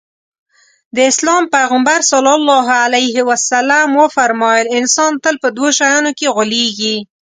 د اسلام پيغمبر ص وفرمايل انسان تل په دوو شيانو کې غولېږي.